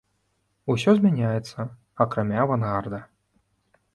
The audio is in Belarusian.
Усё змяняецца, акрамя авангарда.